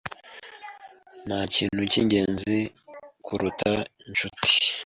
Ntakintu cyingenzi kuruta inshuti.